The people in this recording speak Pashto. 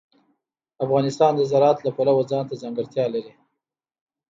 افغانستان د زراعت له پلوه ځانته ځانګړتیا لري.